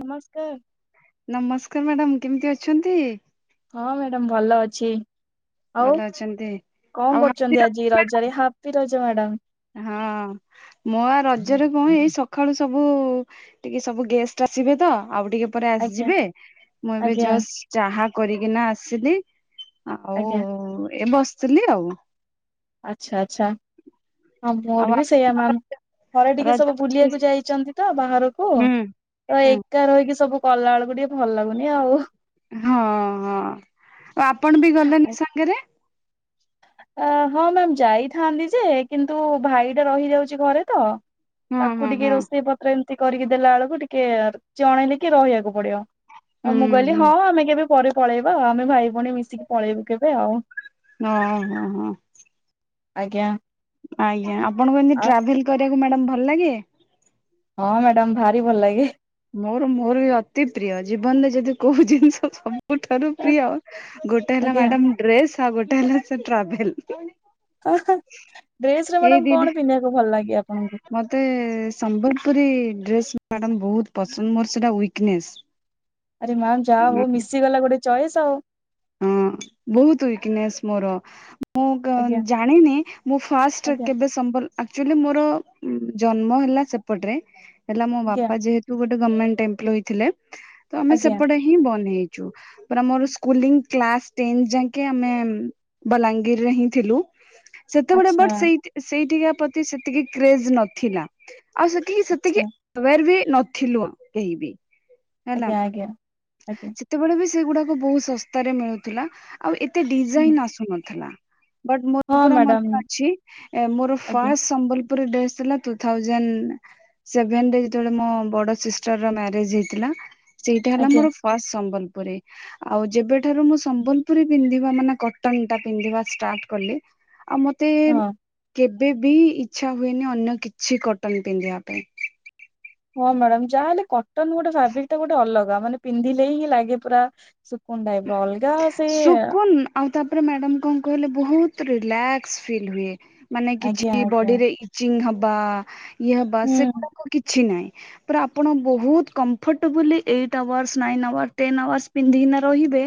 ନମସ୍କାର। ନମସ୍କାର ମ୍ୟାଡାମ୍ କେମିତି ଅଛନ୍ତି? ହଁ ମ୍ୟାଡାମ୍ ଭଲ ଅଛି। ଆଉ ଭଲ ଅଛନ୍ତି। କଣ ଆଉ କରୁଚନ୍ତି ହାତୀର ଆଜି ରଜରେ ହାପି ରଜ ମ୍ୟାଡାମ୍। ହଁ। ମୋ ଆ ରଜରେ କଣ ଏଇ ସଖାଳୁ ସବୁ ଟିକେ ସବୁ ଗେଷ୍ଟ ଆସିବେ ତ ଆଉ ଟିକେ ପରେ ଆଜ୍ଞା ଆସିବେ। ମୁଁ ଏବେ ଆଜ୍ଞା ଜଷ୍ଟ ଚାହା କରିକିନା ଆସିଲି। ଆଉ ଆଜ୍ଞା ଏ ବସିଥିଲି ଆଉ। ଆଚ୍ଛା ଆଚ୍ଛା ହଁ ଆଉ ମୋର ବି ସେଇଆ ମ୍ୟାମ୍। ଘରେ ଟିକେ ରଜ ସବୁ ହୁଁ ବୁଲିବାକୁ ଯାଇଚନ୍ତି ତ ବାହାରକୁ। ହୁଁ ତ ହଁ ଏକା ରହିକି ସବୁ କଲା ବେଳକୁ ଟିକେ ଭଲ ଲାଗୁନି ଆଉ। ହଁ ହଁ ଆଉ ଆପଣ ବି ଗଲେନି ସାଙ୍ଗରେ। ଆ ହଁ ମ୍ୟାମ୍ ଯାଇଥାନ୍ତି ଯେ କିନ୍ତୁ ଭାଇ ଏକା ରହିଯାଉଚି ଘରେ ତ ହଁ ତାକୁ ହଁ ଟିକେ ହଁ ରୋଷେଇ ପ ଏମିତି କରିକି ଦେଲା ବେଳକୁ ଟିକେ ଜଣେ ଟିକେ ରହିବାକୁ ପଡିବ। ହୁଁ ଆଉ ମୁଁ କହିଲି ହୁଁ। ହଁ ଆମେ କେବେ ପରେ ପଳେଇବା ଆଉ ଆମେ ଭାଇ ଭଉଣୀ ମିଶିକି ପଳେଇବୁ କେବେ ଆଉ। ହଁ ହଁ ହଁ ଆଜ୍ଞା ଆଜ୍ଞା ଆପଣଙ୍କୁ ଆଉ ଏମିତି ଟ୍ରାଭେଲ କରିବାକୁ ମ୍ୟାଡାମ୍ ଭଲ ଲାଗେ ହଁ ମ୍ୟାଡମ ଭାରି ଭଲ ଲାଗେ। ମୋର ମୋର ବି ଅତି ପ୍ରିୟ ଜୀବନରେ ଯଦି କୋଉ ଜିନିଷ ସବ ସବୁଠାରୁ ପ୍ରିୟ ଗୋଟେ ହେଲା ଆଜ୍ଞା ମ୍ୟାଡାମ ଡ୍ରେସ ଆଉ ଗୋଟେ ହେଲା ଟ୍ରାଭେଲ। ଡ୍ରେସ ରେ ମ୍ୟାଡାମ କଣ ପିନ୍ଧିବାକୁ ଭଲ ଲାଗେ ଆପଣଙ୍କୁ? ମୋତେ ସମ୍ବଲପୁରୀ ଡ୍ରେସ୍ ମ୍ୟାଡ଼ାମ ବହୁତ ପସନ୍ଦ ମୋର ସେଇଟା ୱିକନେସ୍। ଆରେ ମ୍ୟାମ ଯାହା ହଉ ମିଶିଗଲା ଗୋଟେ ଚଏସ୍ ଆଉ ହଁ ବହୁତ ଉଇକନେସ୍ ମୋର। ମୁଁ କ ଆଜ୍ଞା ଜାଣିନି ମୁଁ ଫାଷ୍ଟ ଆଜ୍ଞା କେବେ ସମ୍ବଲ ଆକଚୋଲିରେ ମୋର ଜନ୍ମ ହେଲା ସେପଟରେ ହେଲା ମୋ ଆଜ୍ଞା ବାପା ଯେହେ ତୁ ଗୋଟେ ଗଭର୍ଣ୍ଣମେଣ୍ଟ ଏମ୍ପ୍ଲୋଇ ଥିଲେ ତ ଆମେ ଆଜ୍ଞା ସେପଟେ ହିଁ ବଣ୍ଣ ହେଇଛୁ ମୋର ସ୍କୁଲିଙ୍ଗ କ୍ଲାସ ଟେନ୍ ଯାକେ ଆମେ ବଲାଙ୍ଗୀରରେ ହିଁ ଥିଲୁ। ସେତେବେଳେ ଆଚ୍ଛା ବଟ ସେ ସେଇଠିକା ପ୍ରତି ସେତିକି କ୍ରେଜ ନଥିଲା ଆଉ ସେଠି ଆଚ୍ଛା ସେତିକି ଏୱାର ବି ନଥିଲୁ କେହି ବି। ହେଲା। ଆଜ୍ଞା ଆଜ୍ଞା ଆଜ୍ଞା। ସେତେବେଳେ ବି ସେଗୁଡ଼ାକ ବହୁତ ଶସ୍ତାରେ ମିଳୁଥିଲା ଆଉ ଏ ଏତେ ଡିଜାଇନ ଆସୁନଥିଲା ବଟ ହଁ ମୋର ପରା ମ୍ୟାଡାମ ମନେ ଅଛି ମୋର ଆଜ୍ଞା ଫାଷ୍ଟ ସମ୍ବଲପୁର ଡ୍ରେସ ଥିଲା ଟୁ ଥାଉଜେନ୍ ସେଭେନରେ ଯେତେବେଳେ ମୋ ବଡ ସିଷ୍ଟର ର ମ୍ୟାରେଜ ହେଇଥିଲା। ସେଇଟା ହେଲା ଆଜ୍ଞା ମୋର ଫାଷ୍ଟ ସମ୍ବଲପୁରୀ ଆଉ ଯେବେ ସମ୍ବଲପୁରୀ ପିନ୍ଧିବା ମାନେ କଟନଟା ପିନ୍ଧିବା ଷ୍ଟାଟ କଲି ଆଉ ମତେ ହଁ କେବେ ବି ଇଚ୍ଛା ହୁଏନି ଅନ୍ୟ କିଛି କଟନ ପିନ୍ଧିବା ପାଇଁ ହଁ ମ୍ୟାଡାମ ଯାହାହେଲେ କଟନ ଗୋଟେ ଫାବ୍ରିକ ଟା ଗୋଟେ ଅଲଗା ମାନେ ପିନ୍ଧିଲେ ହିଁ ଲାଗେ ପୁରା ସୁକୁନ୍ ଟାଇପର ଅଲଗା ସେ ସୁକୁନ ଆଉ ତାପରେ ମ୍ୟାଡାମ କଣ କହିଲେ ବହୁତ ରିଲାକ୍ସ ଫିଲ୍ ହୁଏ ମାନେ ଆଜ୍ଞା କିଛି ଆଜ୍ଞା ବଡିରେ ଇଚିଙ୍ଗ ହବା ଇଏ ହବା ହୁଁ ସେଗୁଡାକ କିଛି ନାହିଁ। ପୁରା ଆପଣ ବହୁତ comfortably eight hours nine hour ten hours ପିନ୍ଧିକିନା ରହିବେ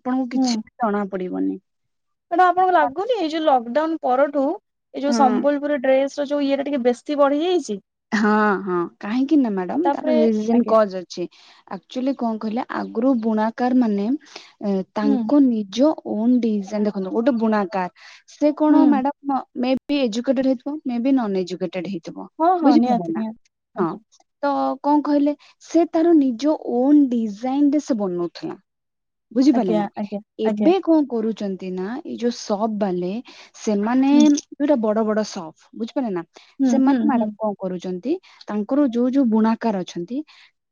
ଆପଣଙ୍କୁ କିଛି ଜଣା ପଡିବନି। ମ୍ୟାଡମ ଆପଣଙ୍କୁ ଲାଗୁନି ଏଇ ଯୋଉ ଲକଡାଉନ ପରଠୁ ଏଇ ଯୋଉ ହଁ। ସମ୍ବଲପୁରୀ ଡ୍ରେସ ସେ ଯଉ ଇଏଟା ଟିକେ ବେଶୀ ବଢିଯାଇଛି। ହଁ ହଁ କାହିଁକି ନା ମ୍ୟାଡମ ତାର ତାପରେ ରିଜିନ୍ ଆଜ୍ଞା କଜ୍ ଅଛି। ଆକଚୋଲି କଣ କହିଲେ ଆଗରୁ ବୁଣାକାର ମାନେ ଏ ହୁଁ ତାଙ୍କ ନିଜ କଣ ଡିଜାଇନ ଦେଖନ୍ତୁ ଗୋଟେ ବୁଣାକାର ସେ ହୁଁ କଣ ମ୍ୟାଡାମ ହଁ ମେବି ଏଜୁକେଟେଡ ହେଇଥିବ ମେବି ନନ୍ ଏଜୁକେଟେଡ ହେଇଥିବ। ହଁ ହଁ ବୁଝିପାରିଲେ ନିହାତି ନା ନିହାତି ହଁ। ଆଜ୍ଞା ତ କଣ କହିଲେ ସେ ତାର ନିଜ ଓନ୍ ଡିଜାଇନ ରେ ସେ ବନଉଥିଲା। ବୁଝିପାରିଲେ ଆଜ୍ଞା ନା ଆଜ୍ଞା ଆଜ୍ଞା ଏବେ କଣ କରୁଛନ୍ତି ନା ଏଇ ଯୋଉ ସପ୍ ବାଲେ ସେମାନେ ହୁଁ ଯୋଉଟା ବଡ ବଡ ସପ୍ ବୁଝିପାରିଲେନା ହୁଁ ହୁଁ ସେମାନେ ହୁଁ ମ୍ୟାଡାମ କଣ କରୁଛନ୍ତି ତାଙ୍କର ଯୋଉ ଯୋଉ ବୁଣାକାର ଅଛନ୍ତି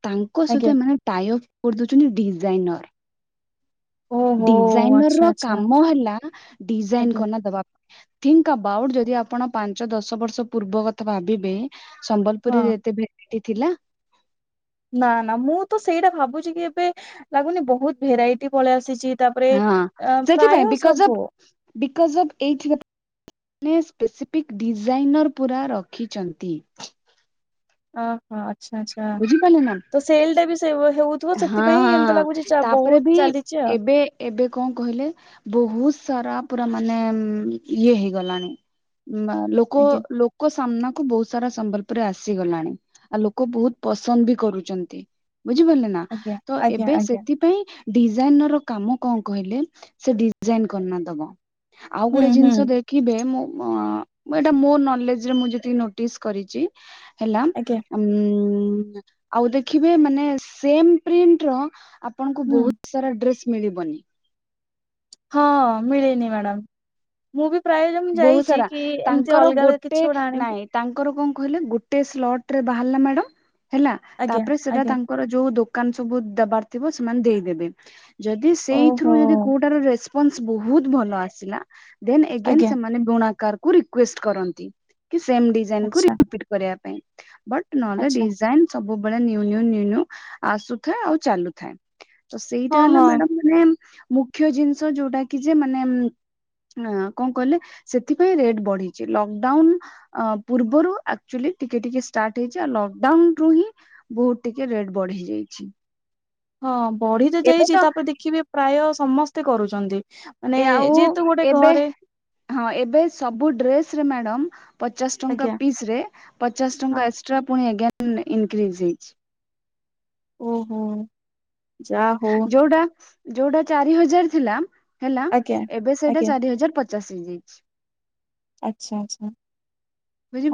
ତାଙ୍କ ଆଜ୍ଞା ସହିତ ଏମାନେ ଟାଇଅପ୍ କରିଦଉଛନ୍ତି ଡିଜାଇନର ଓହୋ ଡିଜାଇନର ଆଚ୍ଛା ର ଆଚ୍ଛା କାମ ହେଲା ଡିଜାଇନ ଆଜ୍ଞା କରିନା ଦବା ପାଇଁ ଥିଙ୍କ ଏବାଉଟ ଯଦି ଆପଣ ପାଞ୍ଚ ଦଶ ବର୍ଷ ପୂର୍ବ କଥା ଭାବିବେ ହଁ ସମ୍ବଲପୁରୀରେ ତେବେ ଏ ଥିଲା ନା ନା ମୁଁ ତ ସେଇଟା ଭାବୁଛି କି ଏବେ ଲାଗୁନି ବହୁତ ଭେରାଇଟି ପଳେଇ ଆସିଛି। ତାପରେ ଅ, ପ୍ରାୟ ସବୁ। ବିକଜ୍ ଅଫ୍ ଏଇଥି [unintelligible] ସେମାନେ ସ୍ପେସିଫିକ୍ ଡିଜାଇନର୍ ପୁରା ରଖିଛନ୍ତି। ଓହୋ, ଆଚ୍ଛା, ଆଚ୍ଛା ତ ସେଲ୍ ଟା ବି ସେ ହେଉ ହଁ, ହଁ ତାପରେ ବି ଚାଲିଛି ଆଉ ଏବେ ଏବେ କଣ କହିଲେ ବହୁତ ସାରା ପୁରା ମାନେ ଉଁ, ଇଏ ହେଇଗଲାଣି। ବା ଲୋକ ଆଜ୍ଞା ଲୋକ ସାମ୍ନାକୁ ବହୁ ସାରା ସମ୍ବଲପୁରରେ ଆସିଗଲାଣି, ଆଉ ଲୋକ ବହୁତ ପସନ୍ଦ ବି କରୁଚନ୍ତି। ବୁଝିପାରିଲେ ନା? ଆଜ୍ଞା ତ ଆଜ୍ଞା ଏବେ ଆଜ୍ଞା ସେଥି ପାଇଁ ଡିଜାଇନର୍ ର କାମ କଣ କହିଲେ ସେ ଡିଜାଇନ୍ କନା ଦବ। ଆଉ ହୁଁ ଗୋଟେ ହୁଁ ଜିନିଷ ଦେ ଖିବେ, ମୁଁ ମୋ ମୁଁ ଏଟା ମୋ ନଲେଜ୍ ରେ ମୁଁ ଯେତିକି ନୋଟିସ୍ କରିଚି। ହେଲା ଆଜ୍ଞା ଉଁ, ଆଉ ଦେଖିବେ ମାନେ ସେମ୍ ପ୍ରିଣ୍ଟ ର ଆପଣଙ୍କୁ ହୁଁ ବହୁତ ସାରା ଡ୍ରେସ୍ ମିଳିବନି। ହଁ ମିଳେନି ମ୍ୟାଡ଼ାମ୍। ମୁଁ ବି ପ୍ରାୟ ଯେମ ବହୁତ ଯାଇଛି ସାରା କି ଏମିତି ତାଙ୍କର ଅଲଗା ଅଲଗା କିଛି ଗୋଟେ ଆଣିବୁ ନାଇଁ ତାଙ୍କର କଣ କହିଲେ? ଗୁଟେ ସ୍ଲଟ୍ ରେ ବାହାରିଲା ମ୍ୟାଡାମ୍ ହେଲା, ଆଜ୍ଞା ତାପରେ ସେଟା ତା ଆଜ୍ଞା ଙ୍କର ଯୋଉ ଦୋକାନ ସବୁ ଦବାର ଥିବ ସେମାନେ ଦେଇଦେବେ। ଯଦି ସେଇଥିରୁ ଓହୋ ଯଦି କୋଉଟାର ରେସ୍ପନ୍ସ ବହୁତ ଭଲ ଆସିଲା ଦେନ୍ ଏଗେନ୍ ଆଜ୍ଞା ମାନେ ବୁଣାକାର କୁ ରିକ୍ୱେଷ୍ଟ କରନ୍ତି କି ସେମ୍ ଡିଜାଇନ୍ କୁ ଆଚ୍ଛା ରିପିଟ୍ କରିବା ପାଇଁ, ବଟ୍ ଏ ନଲେ ଆଚ୍ଛା ଡିଜାଇନ୍ ସବୁବେଳେ ନିଉ ନିଉ ନିଉ ନିଉ ଆସୁଥାଏ ଆଉ ଚାଲୁଥାଏ। ତ ସେଇଟା ହଁ ହେଲା ହଁ ମ୍ୟାଡାମ୍ ମ୍ୟାମ୍ ମୁଖ୍ୟ ଜିନିଷ ଯୋଉଟା କି ଯେ ମାନେ ଉଁ, ଅଁ, କଣ କହିଲେ? ସେଥିପାଇଁ ରେଟ୍ ବଢିଚି, ଲକଡାଉନ୍ ଅ, ପୂର୍ବରୁ ଆକ୍ଚୁଲି ଟିକେ ଟିକେ ଷ୍ଟାର୍ଟ ହେଇଛି, ଆଉ ଲକଡାଉନ୍ ଠୁ ରୁ ହିଁ ବହୁତ ଟିକେ ରେଟ୍ ବଢି ଯାଇଛି। ହଁ ବଢି ତ ଯାଇଚି ତାପରେ ଦେଖିବେ ପ୍ରାୟ ସମସ୍ତେ କରୁଚନ୍ତି। ମାନେ ଏ ଆଉ ଯେହେତୁ ଗୋଟେ ଏବେ ଘରେ ହଁ ଏବେ ସବୁ ଡ୍ରେସ୍ ରେ ମ୍ୟାଡାମ୍ ପଚାଶ ଟଙ୍କା ଆଜ୍ଞା ପିସ୍ ରେ ପଚାଶ ହଁ ଟଙ୍କା ଏକ୍ସଟ୍ରା ପୁଣି ଏଗେନ୍ ଇନକ୍ରିଜ୍ ହେଇଛି। ଓହୋ! ଯା ହଉ ଯୋଉଟା ଯୋଉଟା ଚାରି ହଜାର ଥିଲା ହେଲା ଆଜ୍ଞା ଏବେ ସେଇଟା ଆଜ୍ଞା ଚାରି ହଜାର ପ ଚାଶ ହେଇଯାଇଛି। ଆଚ୍ଛା, ଆଚ୍ଛା।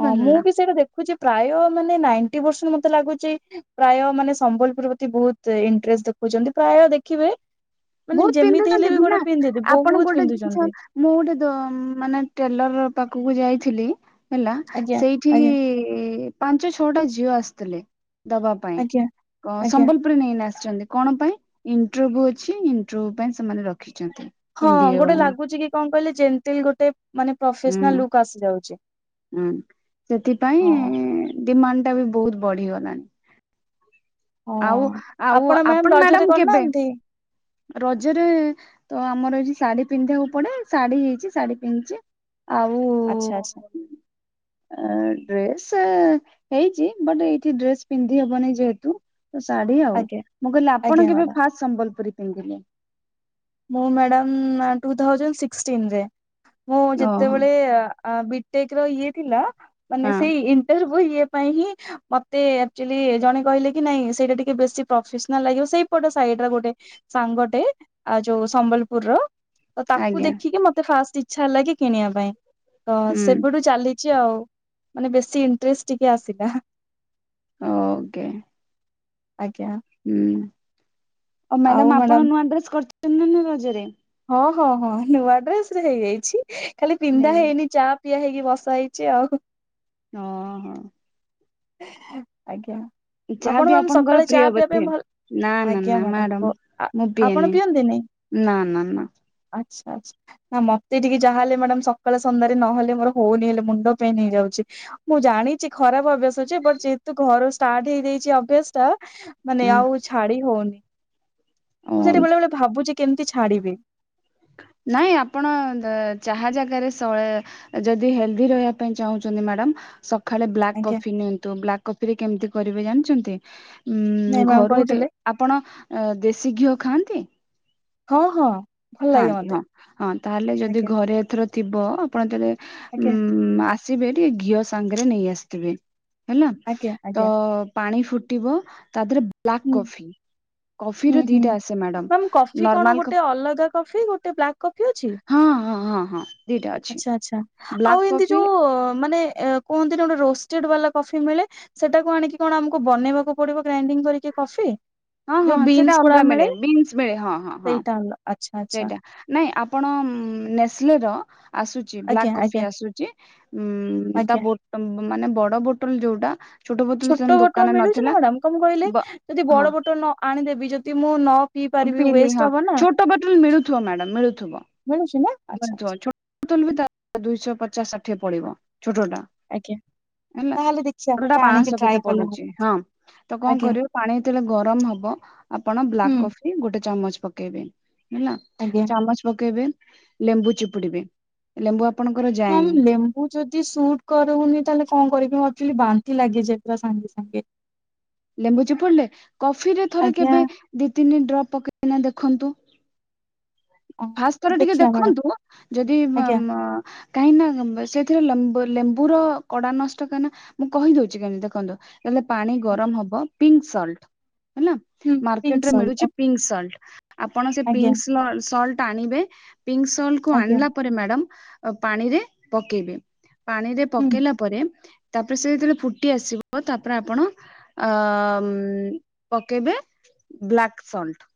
ହଁ ମୁଁ ନା ବି ସେଇଟା ଦେଖୁଛି ପ୍ରାୟ ମାନେ ନାଇଣ୍ଟି ପରସେଣ୍ଟ ମୋତେ ଲାଗୁଚି ପ୍ରାୟ ମାନେ ସମ୍ବଲପୁର ପ୍ରତି ବହୁତ ଇଣ୍ଟରେଷ୍ଟ ଦେଖଉଛନ୍ତି, ପ୍ରାୟ ଦେଖିବେ ମାନେ ବହୁତ ଯେମିତି ହେଲେ ପିନ୍ଧୁଚନ୍ତି ବି ଭି ନା, ଗୋଟେ ପିନ୍ଧିଦି ଆପଣ ବହୁତ ଗୋଟେ ଜିନିଷ ପିନ୍ଧୁଛନ୍ତି ମୁଁ ଗୋଟେ ଦ-ମାନେ ଟେଲର୍ ପାଖକୁ ଯାଇଥିଲି। ହେଲା ଆଜ୍ଞା ସେଇଠି ଆଜ୍ଞା ପାଞ୍ଚ ଛଅଟା ଝିଅ ଆସିଥିଲେ। ଦବା ପାଇଁ ଆଜ୍ଞା ଆଜ୍ଞା କଁ-ସମ୍ବଲପୁରରେ ନେଇନା ଆସିଛନ୍ତି, କଣ ପାଇଁ ଇଣ୍ଟରଭ୍ୟୁ ଅଛି। କି ଇଣ୍ଟରରଭ୍ୟୁ ପାଇଁ ସେମାନେ ରଖିଛନ୍ତି। ହଁ ପିନ୍ଧିବେ ଗୋଟେ ବୋଲି ଲାଗୁଚି କି କଣ କହିଲେ ଜେଣ୍ଟିଲ୍ ଗୋଟେ ମାନେ ହୁଁ ପ୍ରଫେସନାଲ ଲୁକ୍ ଆସି ଯାଉଛି ହୁଁ ହଁ ସେଥିପାଇଁ ଡିମାଣ୍ଡ ଟା ବି ବହୁତ ବଢିଗଲାଣି। ଆଉ ହଁ ଆଉ ମ୍ୟାମ ଆପଣ ରଜରେ ମ୍ୟାଡାମ କେବେ କରିନାହାନ୍ତି ରଜରେ ତ ଆମର ଏଇ ଶାଢୀ ପିନ୍ଧିବାକୁ ପଡେ ଶାଢୀ ହେଇଛି ଶାଢୀ ପିନ୍ଧିଛି। ଆଚ୍ଛା ଆଉ ଆଚ୍ଛା ଡ୍ରେସ୍ ହେଇଛି ବଟ ଏଇଠି ଡ୍ରେସ ପିନ୍ଧି ହବନି ଯେହେତୁ ତ ଶାଢୀ ଆଉ ଆଜ୍ଞା ମୁଁ କହିଲି ଆପଣ ଆଜ୍ଞା କେବେ ମ୍ୟାଡାମ ଫାଷ୍ଟ ସମ୍ବଲପୁରୀ ପିନ୍ଧିଲେ? ମୁଁ ମ୍ୟାଡ଼ାମ ଟୁ ଥାଉଜାଣ୍ଡ ସିକ୍ଟିନରେ ମୁଁ ଓହୋ ଯେତେବେଳେ ଅ ବିଟେକର ଇଏ ଥିଲା ମାନେ ହଁ ସେଇ ଇଣ୍ଟରଭ୍ୟୁ ଇଏ ପାଇଁ ହିଁ। ମତେ ଅକ୍ଚୁଆଲି ଜଣେ କହିଲେ କି ନାଇଁ ସେଇଟା ଟିକେ ବେଶୀ ପ୍ରଫେସନାଲ ଲାଗିବ ସେଇପଟ ସାଇଡର ଗୋଟେ ସାଙ୍ଗଟେ। ଆଉ ଯୋଉ ସମ୍ବଲପୁରର ତ ତାକୁ ଆଜ୍ଞା ଦେଖିକି ମତେ ଫାଷ୍ଟ ଇଛା ହେଲା କି କିଣିବା ପାଇଁ? ହ ହୁଁ ସେବୁଠୁ ଚାଲିଛି ଆଉ ମାନେ ବେଶୀ ଇଣ୍ଟରେଷ୍ଟ ଟିକେ ଆସିଲା। ଓକେ। ଆଜ୍ଞା। ହୁଁ ଆ ମ୍ୟାଡାମ ଆପଣ ନୂଆ ଡ୍ରେସ୍ କରିଛନ୍ତି ନା ରଜରେ? ହଁ ହଁ ହଁ ନୂଆ ଡ୍ରେସରେ ହେଇଯାଇଛି ଖାଲି ପିନ୍ଧା ନେଇନି ହେଇନି ଯାହା ଟିଆ ହେଇକି ବସା ହେଇଛି ଆଉ। ଓହୋ। ଆଜ୍ଞା। ଯାହା ବି ଆପଣ ମ୍ୟାମ ଆପଣଙ୍କର ସକାଳେ ପ୍ରିୟ ଚା ପିବା ବୋଧେ? ପାଇଁ ଭଲ ନା ନା ନା ଆଜ୍ଞା ମ୍ୟାଡାମ ମୁଁ ପିଏନି ଆପଣ ପିଅନ୍ତିନି? ନା ନା ନା। ଆଚ୍ଛା ଆଛା। ନା ମତେ ଟିକେ ଯାହା ହେଲେ ମ୍ୟାଡାମ ସକାଳେ ସନ୍ଧ୍ୟାରେ ନହେଲେ ମୋର ହଉନି ହେଲେ ମୁଣ୍ଡ ପେନ୍ ହେଇଯାଉଛି। ମୁଁ ଜାଣିଛି ଖରାପ ଭାବିବେ ବ ଯେହେତୁ ଘର ଷ୍ଟାର୍ଟ ହେଇଯାଇଛି ଅଭ୍ୟାସଟା ମାନେ ଆଉ ଛାଡି ହଉନି। ମୁଁ ହୁଁ ସେଥୀ ବେଳେବେଳେ ଭାବୁଛି କେମିତି ଛାଡିବି? ନାଇଁ ଆପଣ ଚାହା ଜାଗାରେ [inaudible] ଯଦି ହେଲଦି ରହିବା ପାଇଁ ଚାହୁଁଛନ୍ତି ମ୍ୟାଡାମ। ଖାଳେ ବ୍ଲାକ୍ ଆଜ୍ଞା କଫି ନିଅନ୍ତୁ ବ୍ଲାକ୍ କଫି ରେ କେମିତି କରିବେ ଜାଣିଛନ୍ତି ନାଇଁ ଉ ମ୍ୟାମ ଘରୁଟେ କହିଥିଲେ ଆପଣ ଦେଶୀ ଘିଅ ଖାଆନ୍ତି? ହଁ ହଁ। ଭଲ ଲାଗେ ଖାଆନ୍ତି ମତେ ହଁ ହଁ ତାହେଲେ ଯଦି ଆଜ୍ଞା ଘରେ ଏଥର ଥିବ ଆପଣ ଯେବେ ଉ ଆଜ୍ଞା ଉ ଆସିବେ ଟିକେ ଘିଅ ସାଙ୍ଗରେ ନେଇ ଆସିଥିବେ ହେଲା ଆଜ୍ଞା ତ ଆଜ୍ଞା ପାଣି ଫୁଟିବ ତା ଦେହରେ ବ୍ଲାକ୍ ହୁଁ କଫି ହୁଁ କଫିର ହୁଁ ଦିଟା ଆସେ ମ୍ୟାମ ମ୍ୟାଡ଼ାମ କଫି କଣ ନର୍ମାଲ କ ଗୋଟେ ଅଲଗା କଫି ଗୋଟେ ବ୍ଲାକ୍ କଫି ଅଛି? ହଁ ହଁ ହଁ ହଁ। ଦିଟା ଅଛି ଆଚ୍ଛା ଆଛା ଆଉ ବ୍ଲାକ୍ ଏମିତି କଫି ଯୋଉ ମାନେ କୁହନ୍ତି ନା ଗୋଟେ ରୋଷ୍ଟେଡ ବାଲା କଫି ମିଳେ? ସେଟାକୁ ଆଣିକି କଣ ଆମକୁ ବନେଇବାକୁ ପଡିବ ଗ୍ରାଇଣ୍ଡିଙ୍ଗ କରିକି କଫି? ହଁ ହଁ ଯୋଉ ସେଇଟା ବିନ୍ସ ଗୁରା ଅଲଗା ମିଳେ ବିନ୍ସ ମିଳେ ହଁ ହଁ ହଁ ସେଇଟା ଆଣିବ। ସେଇଟା ନାଇଁ ଆପଣ ନେସ୍ଲେର ଆସୁ ଛି ବ୍ଲାକ ଆଜ୍ଞା କଫି ଆଜ୍ଞା ଆସୁଛି ଉମ ତା ଆଜ୍ଞା ମାନେ ବଡ ବୋଟଲ ଯୋଉଟା ବୋତଲ ସେ ଛୋଟ ବୋଟଲ ଦୋକାନରେ ମିଳୁଛି ନା ନଥିଲା ମ୍ୟାଡାମ କଣ କହିଲେ ବ ଯଦି ହଁ ବଡ ବୋଟଲ ନ ଆଣିଦେବି ଯଦି ମୁଁ ନ ପିଇ ପ ହଁ ପାରିବି ପିଇଲି ୱେଷ୍ଟ ହବ ନା ଛୋଟ ବୋଟଲ ମିଳୁଥିବ ମ୍ୟଡାମ ମିଳୁଥିବ? ମିଳୁଛି ନା ଆଚ୍ଛା ଆଚ୍ଛା ତୋଲ ବି ତା ଦୁଇଶ ପଚାଶ ଷାଠିଏ ପଳିବ ଛୋଟ ଟା। ଆଜ୍ଞା ତାହେଲେ ଦେଖିଆ ଆଣିକି ପାଞ୍ଚଶହ କେତେ ଟ୍ରାଏ କଲେ ପଡୁଛି ହଁ ତ କଣ ଆଜ୍ଞା କରିବ ପାଣି ଯେତଳ ଗରମ ହବ ଆପଣ ବ୍ଲାକ୍ ହୁଁ କଫି ଗୋଟେ ଚାମଚ ପକେଇବେ ହେଲା। ଆଜ୍ଞା। ମଚ୍ ପକେଇବେ ଲେମ୍ବୁ ଚିପୁଡିବେ ଲେମ୍ବୁ ଆପଣଙ୍କର ଯାଏନି। ମୁଁ ଯଦି ସୁଟ୍ କରୁନି ତାହେଲେ କଣ କରିବି ମୁଁ ଆକଚୁଆଲି ବାନ୍ତି ଲାଗିଯା ପୁରା ସାଙ୍ଗେ ସାଙ୍ଗେ। ଲେମ୍ବୁ ଚିପୁଡ୍ ଲେ କଫିରେ ଥରେ ଆଜ୍ଞା କେବେ ଦି ତିନି ଡ୍ରପ୍ ପକେଇନା ଦେଖନ୍ତୁ। ଫାଷ୍ଟ ଥର ଟିକେ ଦେଖିବା ମ୍ୟାଡାମ ଦେଖନ୍ତୁ ଯଦି ମ ଆଜ୍ଞା ମ କାହିଁ ନା ବ ସେଥିରେ ଲେମ୍ବୁ ଲେମ୍ବୁ ର କଡା ନଷ୍ଟ କାହିଁ ନା ମୁଁ କହିଦଉଛି କେମିତି ଦେଖନ୍ତୁ ତାହେଲେ ପାଣି ଗରମ ହବ ପିଙ୍କ ସଲ୍ଟ ହେଲା ହୁଁ ପିଙ୍କ ମାର୍କେଟ୍ ରେ ସଲ୍ଟ ମିଳୁଛି ଓକେ ପିଙ୍କ୍ ସଲ୍ଟ ଆପଣ ସେ ଆଜ୍ଞା ପିଙ୍କ୍ ସ୍ଲ ସଲ୍ଟ ଆଣିବେ ପିଙ୍କ୍ ସଲ୍ଟ କୁ ଆଜ୍ଞା ଆଣିଲା ପରେ ମ୍ୟାଡାମ୍ ପାଣିରେ ପକେଇବେ। ପାଣିରେ ହୁଁ ପକେଇଲା ପରେ ତାପରେ ସେ ଯେତେଳେ ଫୁଟି ଆସିବ ତାପରେ ଆପଣ ଅ ପକେଇବେ ବ୍ଲାକ୍ ସଲ୍ଟ।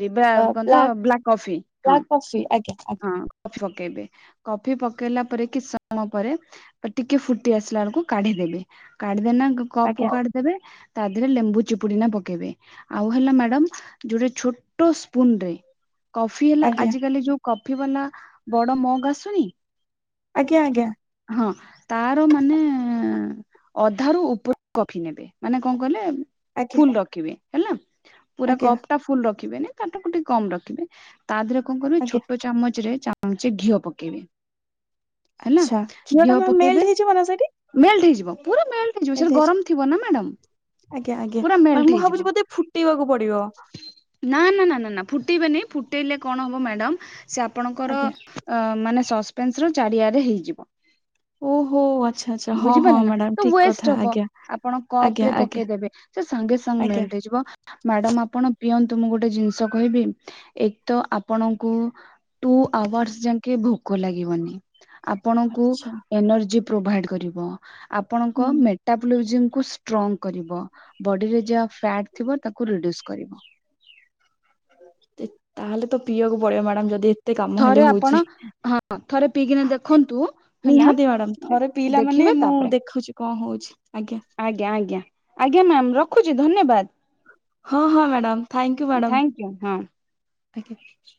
ରିବା କଣ ତ ବ୍ଲାକ୍ କଫି ହଁ। ଫି ଆଜ୍ଞା ଆଜ୍ଞା। ହଁ କଫି ପକେଇବେ କଫି ପକେଇଲା ପରେ କି ସମ ପରେ ଅ ଟିକେ ଫୁଟି ଆସିଲା ଏଳକୁ କାଢିଦେବେ କାଢିଦେନା କପ୍ କୁ କାଢି ଦେବେ ତା ଦେରେ ଲେମ୍ବୁ ଚିପୁଡି ନା ପକେଇବେ। ଆଉ ହେଲା ମ୍ୟାଡାମ୍ ଯୋଟେ ଛୋଟ ସ୍ପୁନ୍ ରେ କଫି ହେଲା ଆଜ୍ଞା ଆଜି କାଲି ଯୋଉ କଫି ବାଲା ବଡ ମଗ୍ ଆସୁନି? ଆଜ୍ଞ ଆଜ୍ଞା। ହଁ ତାର ମାନେ ଅଧାରୁ ଉପ [inaudible] କଫି ନେବେ ମାନେ କଣ କହିଲେ ଆଜ୍ଞା ଫୁଲ୍ ରଖିବେ ହେଲା ପୁରା ଆଜ୍ଞା କପ୍ ଟା ଫୁଲ୍ ରଖିବେନି ତାଠୁ କୁଟେ କମ୍ ରଖିବେ। ତା ଦେହରେ କଣ କରିବେ ଆଜ୍ଞା ଛୋଟ ଚାମଚରେ ଚାମ୍ଚେ ଘିଅ ପକେଇବେ। ହେଲା ଆଚ୍ଛା କ୍ଷୀରଟା ଘିଅ ମ୍ୟାମ ମେଲ୍ଟ ପକେଇବେ, ହେଇଯିବ ନା ସେଠି ମେଲ୍ଟ ହେଇଯିବ ପୁରା ମେଲ୍ ହେଇଯିବ ସେରା ଗରମ ଥିବ ନା ମ୍ୟାଡ଼ାମ୍। ଆଜ୍ଞା ଆଜ୍ଞା ମାନେ ମୁଁ ଭାବୁଛି ବୋଧେ ଫୁଟେଇବାକୁ ପଡିବ। ନା ନା ନା ନା ନା ଫୁଟେଇବେନି ଫୁଟେଇଲେ କଣ ହବ ମ୍ୟାଡ଼ାମ୍ ସେ ଆପଣଙ୍କର ଆଜ୍ଞା ଅ ମାନେ ସସ୍ ପେନ୍ସର ଚାରିଆଡେ ହେଇଯିବ। ଓହୋ ଆଚ୍ଛା ଆଚ୍ଛା ହଁ ହଁ ବୁଝିପାରିଲେ ନା। ମ୍ୟାଡାମ ତ ଠିକ କଥା ୱେଷ୍ଟ ହବ ଆଜ୍ଞା ଆପଣ କପ୍ ଆଜ୍ଞା ରେ ଆଜ୍ଞା ପକେଇଦେବେ। ସେ ସାଙ୍ଗେ ସାଙ୍ଗେ ଆଜ୍ଞା ମେଲ୍ଟ ହେଇଯିବ। ମ୍ୟାଡାମ୍ ଆପଣ ପିଅନ୍ତୁ, ମୁଁ ଗୋଟେ ଜିନ୍ଷ କହିବି? ଏକ ତ ଆପଣଙ୍କୁ ଟୁ ଆୱାର୍ସ ଯାଙ୍କେ ଭୋକ ଲାଗିବନି। ଆପଣଙ୍କୁ ଆଚ୍ଛା ଏନର୍ଜି ପ୍ରୋଭାଇଡ୍ କରିବ ହୁଁ ଆପଣଙ୍କ ମେଟାପୋଲୋଜିମ୍ କୁ ଷ୍ଟ୍ରଙ୍ଗ କରିବ, ବଡିରେ ଯାହା ଫ୍ୟାଟ୍ ଥିବ ତାକୁ ରିଡ୍ୟୁସ୍ କରିବ। [unintelligible] ତାହେଲେ ତ ପିଇଆକୁ ପଡିବ ମ୍ୟାଡ଼ାମ୍ ଯଦି ଏତେ କାମ ହେଲେ ଥରେ ଆପଣ ହଉଛି। ଥରେ ପିଇକିନା ଦେଖନ୍ତୁ ହେଲା ନିହାତି ମ୍ୟାଡାମ୍ ଥରେ ପିଲା ମାନେ ଦେଖିବେ ମୁଁ ତାପରେ ଦେଖୁଛି କଣ ହଉଛି ଆଜ୍ଞା। ଆଜ୍ଞା ଆଜ୍ଞା ଆଜ୍ଞା ମ୍ୟାାମ୍ ରଖୁଚ ଧନ୍ୟବାଦ୍। ହଁ ହଁ madam thank you madam thank you ହଁ ଆଜ୍ଞା।